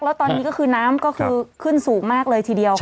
แล้วตอนนี้ก็คือน้ำก็คือขึ้นสูงมากเลยทีเดียว